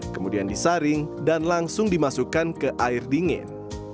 kemudian disaring dan langsung dimasukkan ke air dingin